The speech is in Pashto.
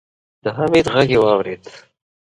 د حميد غږ يې واورېد.